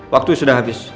waktu sudah habis